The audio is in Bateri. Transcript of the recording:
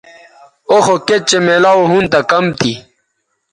او خو کِت چہء میلاو ھُن کم تھی